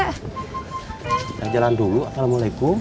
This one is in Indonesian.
kita jalan dulu assalamualaikum